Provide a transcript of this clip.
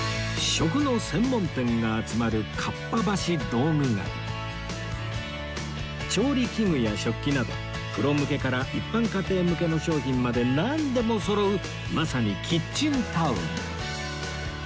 食の専門店が集まる調理器具や食器などプロ向けから一般家庭向けの商品までなんでもそろうまさにキッチンタウン